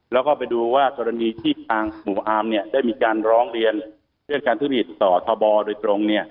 แล้วก็ไปดูว่ากรณีที่ต่างหมู่อาร์มเนี่ยได้มีการร้องเรียนเรื่องการผู้ผิดต่อท่อบอร์โดยตรงเนี่ย